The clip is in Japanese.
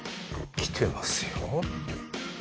来てますよ。